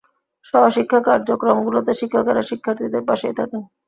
সহশিক্ষা কার্যক্রমগুলোতে শিক্ষকেরা শিক্ষার্থীদের পাশেই থাকেন।